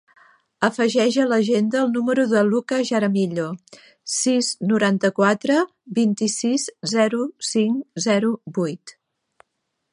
Afegeix a l'agenda el número del Lucca Jaramillo: sis, noranta-quatre, vint-i-sis, zero, cinc, zero, vuit.